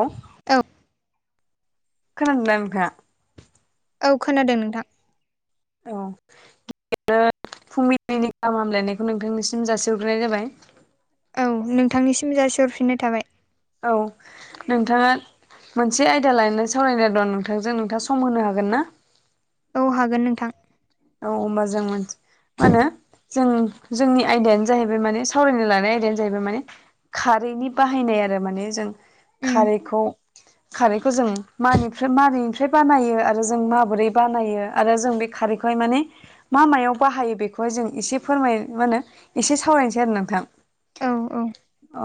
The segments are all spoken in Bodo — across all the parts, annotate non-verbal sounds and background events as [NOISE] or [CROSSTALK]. औ औ। खोनादों दा नोंथांङा? औ खोनादों नोंथां। औ फुंबिलिनि गाहाम हामलायनायखौ नोंथांनिसिम जासि हरग्रोनाय जाबाय। औ नोंथांनिसिम जासिहरफिननाय थाबाय। औ नोंथांङा। मोनसे आयदा लानानै सावरायनो दं नोंथांजों नोंथाङा सम होनो हागोन ना? औ हागोन नोंथां। औ होमबा जों मोन मा होनो? जों जोंनि आयदायानो जाहैबाय माने सावरायनो लानाय आयदायानो जाहैबाय माने खारैनि बाहायनाय आरो माने जों उम खारैखौ खारैखौ जों मानिफ्राय मानैैनिफ्राय बानायो आरो जों माबोरै बानायो आरो जों बे खारैखौ ओमफाय माने मा मायाव बाहायो बेखौ जों एसे फोरमाय मा होनो एसे सावरायनोसै आरो नोंथां। औ औ।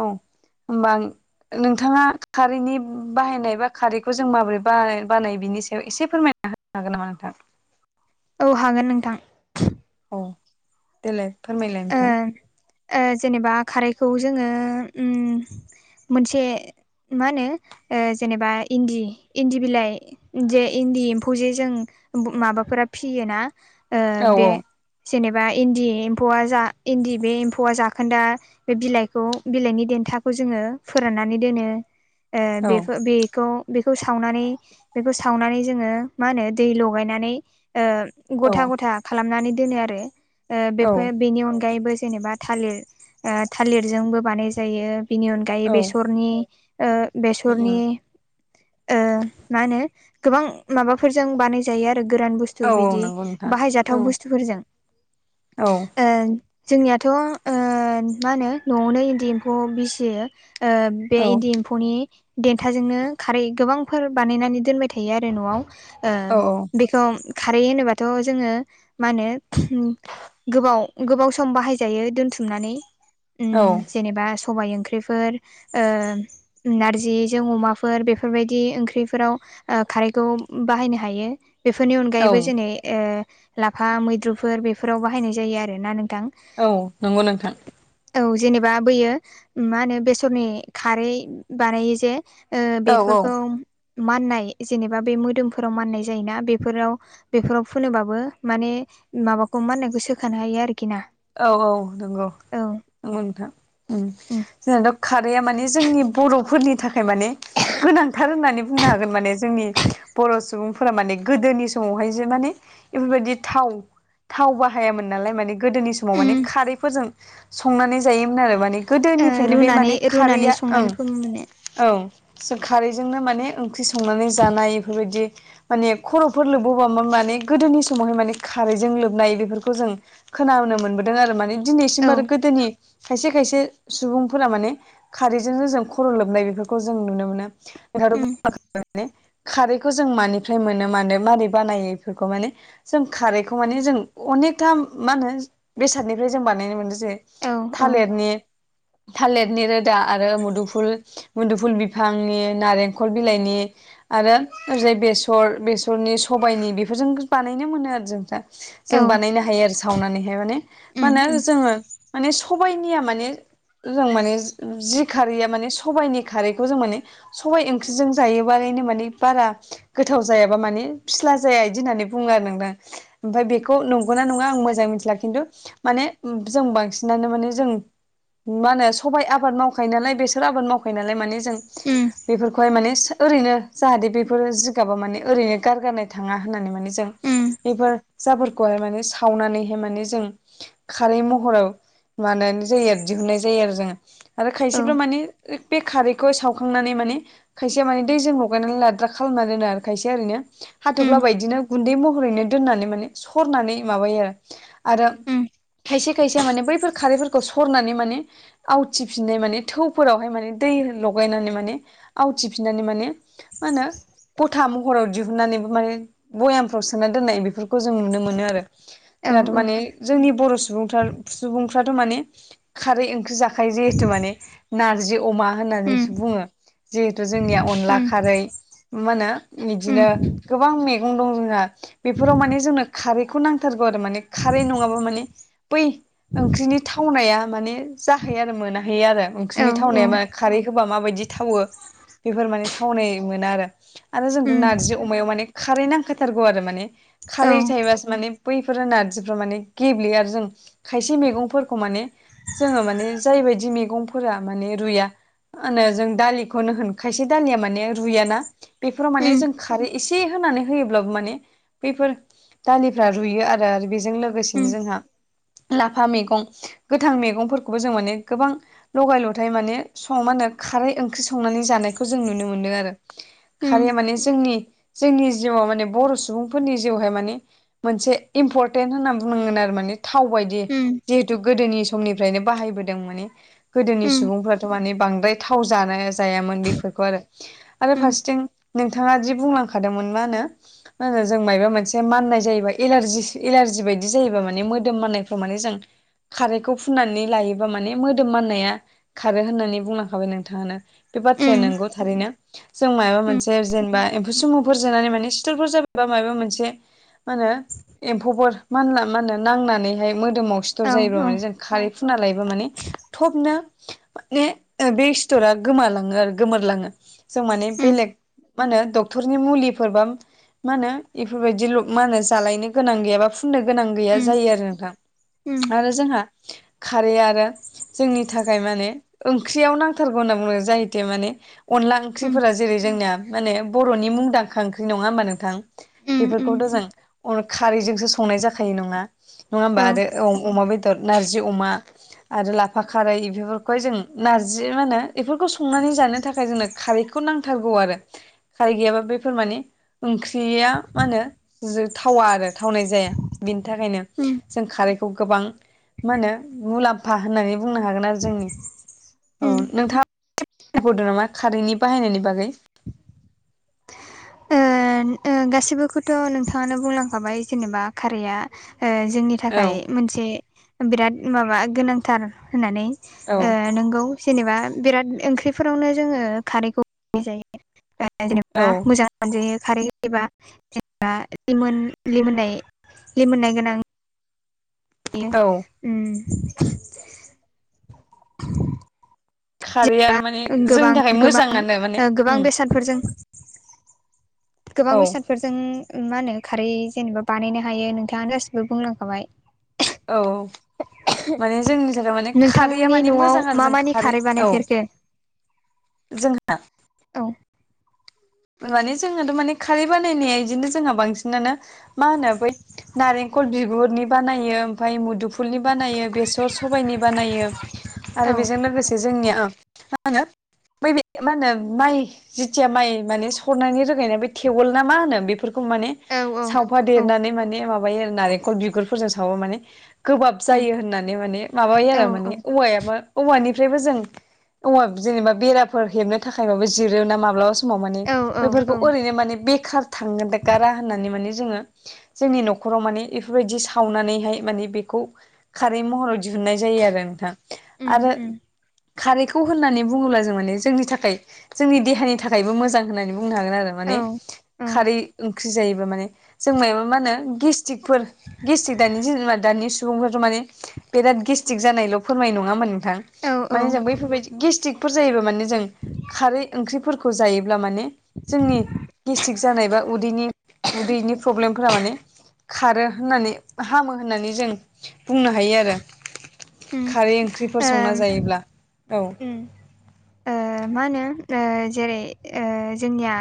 औ होमबा आं नोंथांङा खारैनि बाहायनाय बा खारैखौ जों माबोरै बा-बानायो बिनि सायाव एसे फोरमाय ना होनो हागोन नामा नोंथां? औ हागोन नोंथां। औ देलाय फोरमायलाय नोंथां। ओ ओ जेनेबा खारैखौ जोंङो ओम मोनसे मा होनो जेनेबा इन्दि इन्दि बिलाइ [UNINTELLIGIBLE] इन्दि एम्फौ जे जों माबाफोरा फियोना ओ औ बे जेनेबा इन्दि एम्फौआ जा इन्दि बे एम्फौआ जाखोन्दा बे बिलाइखौ बिलाइनि देन्थाखौ जोंङो फोराननानै दोनो। ओ औ बेफोर बेखौ बेखौ सावनानै बेखौ सावनानै जोंङो मा होनो दै लगायनानै ओ औ ग'था ग'था खालामनानै दोनो आरो औ बेफोर बेनि अनगायैबो जेनेबा थालिर थालिरजोंबो बानाय जायो बेनि अनगायै औ बेसरनि ओ बेसरनि उम ओ मा होनो गोबां माबाफोरजों बानाय जायो आरो गोरान बुस औ थु औ बिदि नंगौ नोंथां औ बाहायजाथाव बुस्थुफोरजों। औ। ओ जोंनियाथ' ओ मा होनो न'आवनो इन्दि एम्फौ फिसियो। ओ बे औ इन्दि एम्फौनि देन्थाजोंनो खारै गोबांफोर बानायनानै दोनबाय थायो आरो न'आव। ओ औ बेखौ खारै होनोबाथ' जोंङो मा होनो गोबाव गोबाव सम बाहायजायो दोनथुमनानै। उम औ। जेनेबा सबाय ओंख्रिफोर ओ नारजिजों अमाफोर बेफोरबायदि ओंख्रिफोराव ओ खारैखौ बाहायनो हायो। बेफोरनि अनगायैबो औ जेनै ओ लाफा मैद्रुफोर बेफोराव बाहायनाय जायो आर ना नोंथां। औ नंगौ नोंथां औ जेनेबा बोयो मा होनो बेसरनि खारै बानायो जे ओ औ औ बेफोरखौ माननाय जेनेबा बे मोदोमफोराव माननाय जायोना बेफोराव बेफोराव फुबाबो माने माबाखौ माननायखौ सोखानो हायो आरोखि ना। औ औ नंगौ। औ नंगौ नोंथां ओं उम जोंनाथ' खारैया माने जोंनि बर'फोरनि थाखाय माने गोनांथार होननानै बुंनो हागोन माने जोंनि बर' सुबुंफोरा माने गोदोनि समावहाय जे माने बेफोरबायदि थाव थाव बाहायामोन नालाय माने गोदोनि स समाव माने उम खारैफोरजों संनानै जायोमोन आरो माने ओ गोदोनिफ्रायनो बे रुनानै माने रुनानै खारैया ओं। संनानै फोमोनो औ जों खारैजोंनो माने ओंख्रि संनानै जानाय इफोरबायदि माने खर'फोर लोबबोबा मा माने गोदोनि समावहाय माने खारैजों लोबनाय बेफोरखौ जों खोनाबोनो मोनबोदों आरो माने औ दिनैसिमबो आरो गोदोनि खायसे खायसे सुबुंफोरा माने खारैजोंनो जों खर' लोबनाय बेफोरखौ जों नुनो उम मोनो ‌। [UNINTELLIGIBLE] खारैखौ जों मानिफ्राय मोनो मानो मारै बानायो बेफोरखौ माने जों खारैखौ माने जों अनेकथा मा होनो बेसादनिफ्राय जों बानायनो मोनदों जे औ औ थालिरनि थालिरनि रोदा आरो मुदुफुल मुदुफुल बिफांनि नारेंखल बिलाइनि आरो ओजै बेसर बेसरनि सबायाइनि बेफोरजों बानायनो मोनो आरो जोंफ्रा औ जों बानायनो हायो आरो सावनानैहाय माने उम मा उम होनो जोंङो माने सबाइनिया माने जों माने जि खारैया माने सबायाइनि खारैखौ जों माने सबाइ ओंख्रिजों जायोबालायनो माने बारा गोथाव जायाबा माने फिस्ला जाया बिदि होननानै बुङो आरो नोंथां। ओमफ्राय बेखौ नंगौना नङा आं मोजां मिथिला खिन्थु माने जों बांसिनानो माने जों मा होनो सबाइ आबाद मावखायो नालाय बेसोर आबाद मावखायो नालाय माने जों उम बेफोरखौहाय माने ओरैनो जाहाथे बेफोर जिगाबा माने ओरैनो गारगारनाय थाङा होननानै माने जों उम बेफोर जाफोरखौहाय माने सावनानैहाय माने जों खारै महराव बानायनाय जायो आरो दिहुननाय जायो आरो जोङो। आरो औ खायसेफ मानि बे खारैखौ सावखांनानै माने खायसेया माने दैजों लगायनानै लाद्रा खालामना दोना आरो खायसेया ओरैनो उम हाथ'फ्लाबायदिनो गुन्दै महरैनो दोननानै माने सरनानै माबायो आरो उम खायसे खायसे माने बैफोर खारैफोरखौ सरनानै माने आवथिफिननाय माने थौफोरावहाय माने दै लगायनानै माने आवथिफिननानै माने माहोनो गथा महराव दिहुननानैबो माने भयामफ्राव सोना दोननाय बेफोरखौ जों नुनो मोनो आरो औ जोंहाथ' औ माने जोंनि बर' सुबुं सुबुंफ्राथ' माने खारै ओंख्रि जाखायो जिहेथु माने नारजि अमा उम होननानैसो बुङो जिहेथु जोंनिया अनला उम खारै मा होनो उम बिदिनो गोबां मैगं दं होन्ना बेफोराव माने जोंनो खारैखौ नांथारगौ आरो माने खारै नङाबा माने बै ओंख्रिनि थावनाया माने जाहैयो आरो मोनाहै आरो औ ओंख्रिनि औ थावनाया मा खारै होबा माबायदि थावो बेफोर माने थावनाय मोना आरो आरो जोंथ' उम नारजि अमायाव माने खारै नांखथारगौ आरो माने औ खारै थायोबासो माने बैफोर नारजिफ्रा माने गेब्लेआ आरो जों खायसे मैगंफोरखौ माने जोङो माने जायबायदि मैगंफोरा माने रुइया होनो जों दालिखौनो होन खायसे दालिया माने रुइयाना बेफोराव माने उम जों खारै एसे होनानै होयोब्लाबो माने बैफोर दालिफ्रा रुयो आरो। आरो बेजों लोगोसे बिनो उम जोंहा लाफा मैगं गोथां मैगंफोरखौबो जों माने गोबां लगाय लथाय माने सं मा होनो खारै ओंख्रि संनानै जानायखौ जों नुनो मोन्दों आरो। उम खारैया माने जोंनि जोंनि जिउआव माने बर' सुबुंफोरनि जिउहाय माने मोनसे इम्परटेन्ट होननानै बुंनांगोन आरो माने थाव बायदि उम जिहेतु गोदोनि समनिफ्रायनो बाहायबोदों माने गोदोनि उम सुबुंफ्राथ' माने बांद्राय थाव जानो जायामोन बेफोरखौ आरो आरो उम फारसेथिं नोंथाङा जि बुंलांखादोंमोन मा होनो मा होनो जों मायबा मोनसे माननाय जायोबाल एलारजि एलारजि बायदि बिदि जायोबा माने मोदोम मनायफ्राव माने जों खारैखौ फुननानै लायोबा माने मोदोम माननाया खारो होननानै बुंलांखाबाय नोंथाङानो बे बाथ्राया उम नंगौ थारैनो। जों माबा मोनसे जेनेबा एम्फौ सुमुफोर जोनानै माने सिथरफोर जाबायबा माबा मोनसे मा होनो एम्फौफोर मानला माहोनो नांनानैहाय मोदोमाव सिथर औ जायोब्ला औ माने जों खारै फुनना लायोबा माने थबनो माने बे सिथरा गोमालाङो आरो गोमोरलाङो जों माने उम बेलेग मा होनोडक्टरनि मुलिफोरबा मा होनो इफोरबायदिल मा होनो जालायनो गोनां गैयाबा फुननो गोनां गैया उम जायो आरो नोंथां उम आरो जोंहा खारै आरो जोंनि थाखाय माने ओंख्रियाव नांथारगौ होनना बुङो जाहैते माने अनला ओंख्रिफोरा जेरै जोंनिया माने बर'नि मुंदांखा ओंख्रि नङा होमबा नोंथां उम उम बेफोरखौथ' जों खारैजोंसो संनाय जाखायो नङा नङा होमबा औ आरो औ अमा बेदर नारजि अमा आरो लाफा खारै बेफोरखौहाय जों नारजि मा होनो बेफोरखौ संनानै जानो थाखाय जोंनो खारैखौ नांथारगौ आरो। खारै गैयाबा बेफोर माने ओंख्रिया मा होनो जो थावा आरो थावनाय जाया। बिनि थाखायनो उम जों खारैखौ गोबां मा होनो मुलाम्फा होननानै बुंनो हागोन आरो जोंनि उम औ नोंथाङा बुडो नामा खारैनि बाहायनायनि बागै ओन ओं गासिबोखौथ' नोंथाङानो बुंलांखाबाय जेनेबा खारैया ओ जोंनि औ थाखाय थाखाय मोनसे बिराद माबा गोनांथार होननानै औ ओ नोंगौ जेनेबा बिराद ओंख्रिफोरावनो जोङो खारैखौ जायो जेनेबा औ मोजां जायो खारै होयोबा जेनबा लिमोन लिमोननाय लिमोननाय गोनां यो औ उम खारैया जेनबा आरो माने गोबां जोंनि थाखाय गोबां मोजाङानो माने ओ गोबां उम बेसादफोरजों गोबां औ बेसाद बेफोरजों मा होनो खारै जेनेबा बानायनो हायो नोंथाङानो गासिबो बुंलांखाबाय। औ माने जोंनि जान माने खारैया नोंथांनि माने न'आव मोजां आरो मा जों मानि खारै औ बानायफेरखो जोंहा औ फोर माने जोंनोथ' माने खारै बानायनाया बिदिनो जोंहा बांसिनानो मा होनो बै नारेंखल बिगुरनि बानायो ओमफाय मुदुफुलनि बानायो बेसर सबायनि बानायो औ आरो बेजों लोगोसे जोंनिया मा होनो बै मा होनो माइ जिथिया माइ माने सरनायनि रोगानाय बे थेवौल ना मा होनो बेफोरखौ माने औ औ सावफा औ देरनानै माने माबायो नारेंखल बिगुरफोरजों सावो माने गोबाब उम जायो होननानै माने माबायो औ आरो माने औवायाबो औवानिफ्रायबो जों औवाब जेनेबा बेराफोर हेबनो थाखाय माबा जिरो ना माब्लाबा स माव माने औ औ बेफोरखौ ओरैनो माने बेखार थांगारा होननानै माने जोंङो जोंनि न'खराव माने इफोरबायदि सावनानैहाय माने बेखौ खारै महर दिहुननाय जायो आरो नोंथां उम आरो उम खारैखौ होननानै बुंङोब्ला जों माने जोंनि थाखाय जोंनि देहानि था खायबो मोजां होननानै बुंनो हागोन आरो औ माने खारै ओंख्रि जायोबा माने जों माबा मा होनो गेस्टिकफोर गेस्टिक दानि जा दानि सुबुंफोरथ' माने बिराद गेस्टिक जानायल' फोरमायो नङा होमबा नोंथां? औ औ माने जों बैफोरबायदि गेस्टिकफोर जायोबा मान जों खारै ओंख्रिफोर जायोब्ला माने जोंनि गेस्ट्रिक जानाय बा उदैनि उदैनि प्रब्लेम फ्रा माने खारो होननानै हामो होननानै जों बुंनो हायो आरो उम ओम खारै ओंख्रिफोर संना जायोब्ला औ उम ओ मा होनो ओ जेरै ओ जोंनिया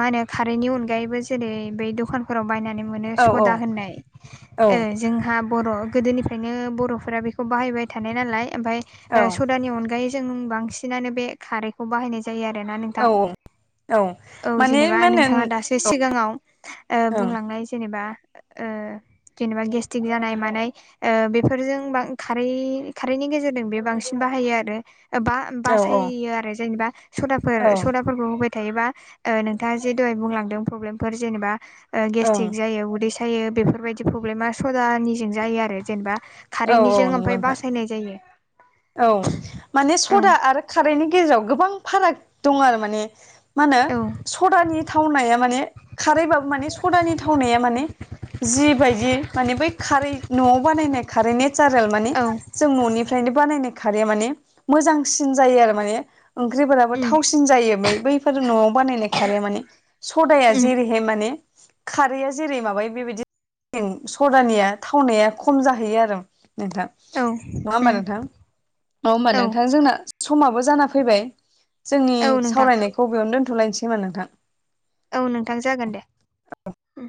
मा होनो खारैनि अनगायैबो जेरै बै दखान फोराव बायनानै मोनो औ सदा होननाय औ ओ जोंहा बर' गोदोनिफ्रायनो बर'फोरा बेखौ बाहायबाय थानाय नालाय ओमफाय औ ओ सदानि अनगायै जों बांसिनानो बे खारै खौ बाहायनाय जायो आरोना नोंथां औ औ औ माने जेनेबा मा नोंथांङा होनो दासिम जे सिगांङाव ओ बुंलांनाय जेनेबा ओ जेनेबा गेस्टिक जानाय मानाय ओ बेफोरजों बां खारै खारैनि गेजेरजों बे बांसिन बाहायो आरो बा ओं बासायो आरो जेनेबा सदाफोर औ सदा फोरखौ होबाय थायोबा ओ नोंथांङा जे दहाय बुंलांदों प्रब्लेमफोर जेनेबा ओ ओं गेस्टिक जायो उदै सायो बेफोरबायदि प्रब्लेमा सदानिजों जायो आरो जेनेबा औ औ नंगौ नोंथां। हैनाय जायो। औ माने ओं सदा आरो खारैनि गेजेराव गोबां फाराग दं आरो माने। मा होनो औ सदानि थावनाया माने खारैबाबो माने सदानि थावनाया माने जिबायदि माने बै खारै न'आव बानायनाय खारै ने सारेल माने औ जों ननिफ्रायनो बानायनाय खारैया माने मोजांसिन जायो आरो माने ओंख्रिफोराबो उम थावसिन जायो बै बैफोर न'आव बानायनाय खाराया माने सदाया उम जेरै हाय माने खारैआ जेरै माबायो बेबायदि सदानिया थावनाया खम जाहैयो आरो नोंथां औ नंङा होमबा उम नोंथां? नंङा होनबा औ नोंथां? जोंना समाबो जाना फैबाय जोंनि औ नोंथां सावरायनाय बबेयाव दोनथलायनोखोमा नोंथां। औ नोंथां जागोन दे। उम